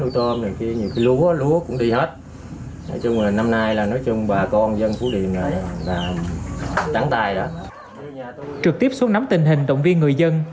trực tiếp xuống nắm tình hình động viên người dân